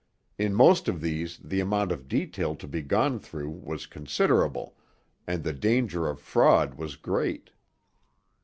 In most of these the amount of detail to be gone through was considerable, and the danger of fraud was great.